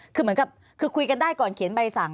คือคุยกันได้ก่อนเขียนใบสั่ง